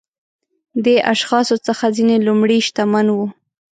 دې اشخاصو څخه ځینې لومړيو شتمن وو.